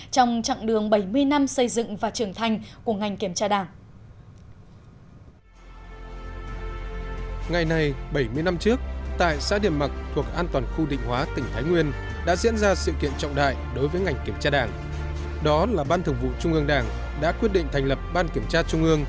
trong chặng đường bảy mươi năm xây dựng và trưởng thanh của ngành kiểm tra đảng